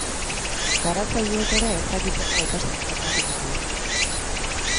Garatzaileek ere ez dakite nola ikasten duten makina horiek.